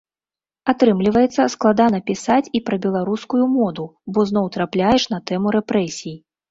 Атрымліваецца, складана пісаць і пра беларускую моду, бо зноў трапляеш на тэму рэпрэсій.